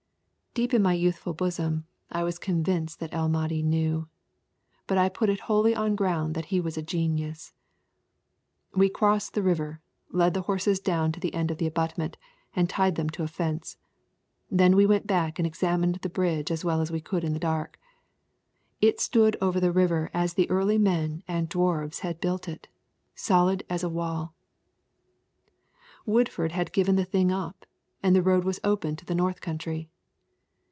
Deep in my youthful bosom I was convinced that El Mahdi knew. But I put it wholly on the ground that he was a genius. We crossed the river, led the horses down to the end of the abutment, and tied them to a fence. Then we went back and examined the bridge as well as we could in the dark. It stood over the river as the early men and Dwarfs had built it, solid as a wall. Woodford had given the thing up, and the road was open to the north country.